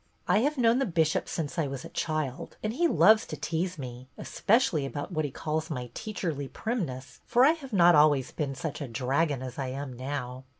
I have known THE PLAY 137 the Bishop since I was a child, and he loves to tease me, especially about what he calls my teacherly primness, for I have not always been such a dragon as I am now.